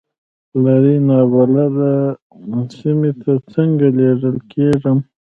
لرې نابلده سیمې ته څنګه لېږل کېږم.